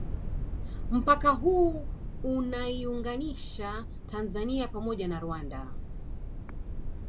Mpaka huu unaiunganisha Tanzania pamoja na Rwanda